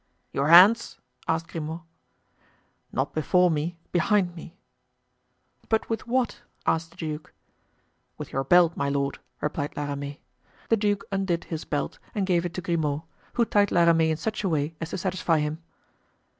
"Your hands?" asked Grimaud. "Not before me, behind me." "But with what?" asked the duke. "With your belt, my lord!" replied La Ramee. The duke undid his belt and gave it to Grimaud, who tied La Ramee in such a way as to satisfy him.